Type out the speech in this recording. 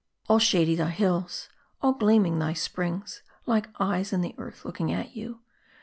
All shady thy hills ; all gleaming thy springs, Like eyes in the earth looking at you.